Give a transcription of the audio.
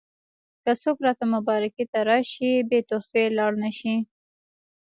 که څوک راته مبارکۍ ته راشي بې تحفې لاړ نه شي.